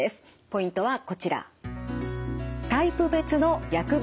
ポイントはこちら。